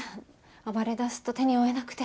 暴れだすと手に負えなくて。